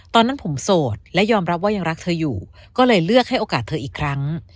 ตอนนั้นผมโสดและยอมรับว่ายังรักเธออยู่ก็เลยเลือกให้โอกาสเธออีกครั้ง